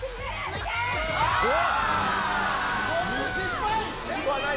失敗。